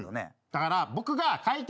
だから。